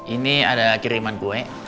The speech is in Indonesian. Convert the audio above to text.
ini ada kiriman kue